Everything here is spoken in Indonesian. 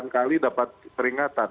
delapan kali dapat peringatan